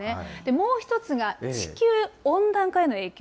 もう１つが地球温暖化への影響。